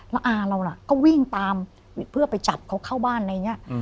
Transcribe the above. แล้วอาเราน่ะก็วิ่งตามเพื่อไปจับเขาเข้าบ้านอะไรอย่างนี้